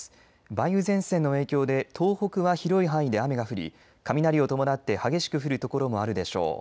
梅雨前線の影響で東北は広い範囲で雨が降り雷を伴って激しく降る所もあるでしょう。